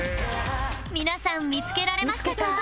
皆さん見つけられましたか？